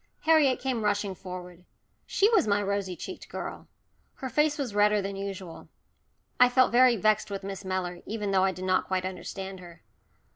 Harriet came rushing forward. She was my rosy cheeked girl! Her face was redder than usual. I felt very vexed with Miss Mellor, even though I did not quite understand her.